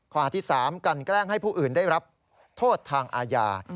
ข้อหาที่๓กันแกล้งให้ผู้อื่นได้รับโทษทางอาญา